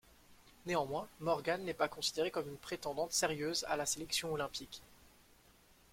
Néanmoins, Morgan n'est pas considérée comme une prétendante sérieuse à la sélection olympique.